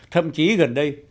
thậm chí gần đây